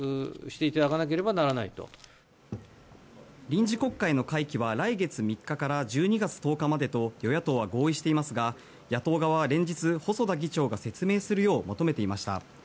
臨時国会の会期は来月３日から１２月１０日までと与野党は合意していますが野党側は連日、細田議長が説明するよう求めていました。